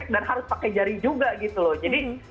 dan harus pakai jari juga gitu loh jadi